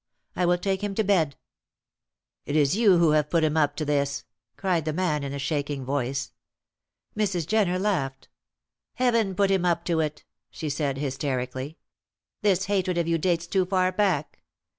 I will take him to bed." "It is you who have put him up to this," cried the man in a shaking voice. Mrs. Jenner laughed. "Heaven put him up to it," she said, hysterically. "This hatred of you dates too far back.